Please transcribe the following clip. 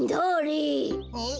えっ？